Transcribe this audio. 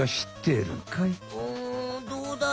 うんどうだろ？